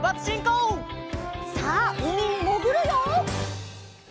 さあうみにもぐるよ！